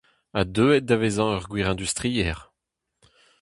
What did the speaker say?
Ha deuet da vezañ ur gwir industriezh.